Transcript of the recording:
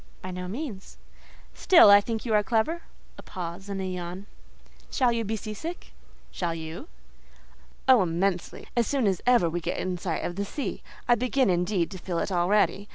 "By no means." "Still I think you are clever" (a pause and a yawn). "Shall you be sea sick?" "Shall you?" "Oh, immensely! as soon as ever we get in sight of the sea: I begin, indeed, to feel it already.